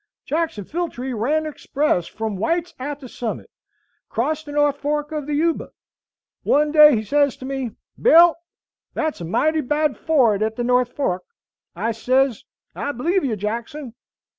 "Jackson Filltree ran the express from White's out to Summit, 'cross the North Fork of the Yuba. One day he sez to me, 'Bill, that's a mighty bad ford at the North Fork.' I sez, 'I believe you, Jackson.'